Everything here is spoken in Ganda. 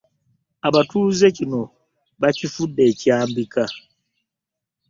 Abatuuze kino kibafuukidde ekyambika.